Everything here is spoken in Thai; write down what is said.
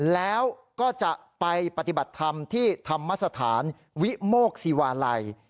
แล้วก็จะไปปฏิบัติธรรมที่ธรรมสถานวิโมกศิวาลัย